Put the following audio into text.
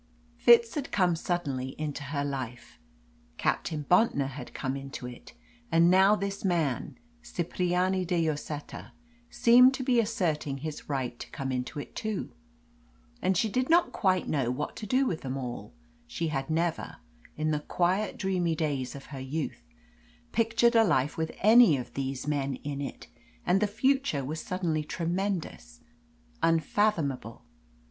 Fitz had come suddenly into her life; Captain Bontnor had come into it; and now this man, Cipriani de Lloseta, seemed to be asserting his right to come into it too. And she did not know quite what to do with them all. She had never, in the quiet, dreamy days of her youth, pictured a life with any of these men in it, and the future was suddenly tremendous, unfathomable.